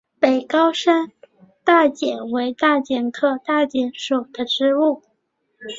北高山大戟为大戟科大戟属的植物。